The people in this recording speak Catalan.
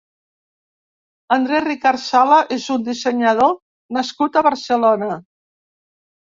André Ricard Sala és un dissenyador nascut a Barcelona.